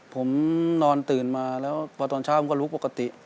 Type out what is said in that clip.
ผมนอนตื่นมาแล้วพอตอนเช้ามันก็ลุกปกติ